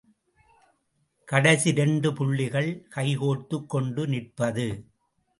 கடைசி இரண்டு புள்ளிகள் கைகோர்த்துக் கொண்டு நிற்பது.